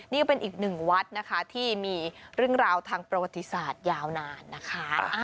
นี่ก็เป็นอีกหนึ่งวัดนะคะที่มีเรื่องราวทางประวัติศาสตร์ยาวนานนะคะ